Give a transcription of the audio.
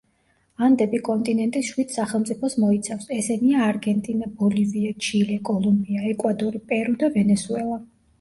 ანდები კონტინენტის შვიდ სახელმწიფოს მოიცავს, ესენია: არგენტინა, ბოლივია, ჩილე, კოლუმბია, ეკვადორი, პერუ და ვენესუელა.